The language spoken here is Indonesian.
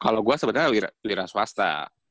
kalo gua sebenarnya wira swasta